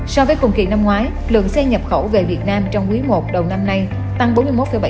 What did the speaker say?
so với cùng kỳ năm ngoái lượng xe nhập khẩu về việt nam trong quý đầu tiên đã tăng hai tám trăm một mươi bốn chiếc xe ô tô về việt nam